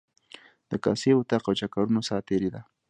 د کاسې، وطاق او چکرونو ساعتیري ده.